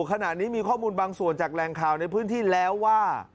ขณะนี้มีข้อมูลบางส่วนจากแรงข่าวในพื้นที่แล้วว่า